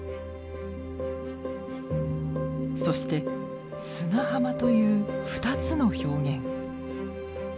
そして「砂浜」という２つの表現。